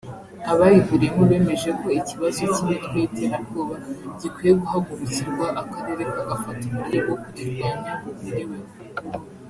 Abayihuriyemo bemeje ko ikibazo cy’imitwe y’iterabwoba gikwiye guhagurukirwa akarere kagafata uburyo bwo kurirwanya buhuriweho